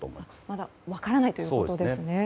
まだ分からないということですね。